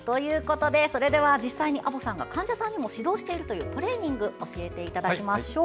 安保さんが患者さんに実際に指導しているというトレーニングを教えていただきましょう。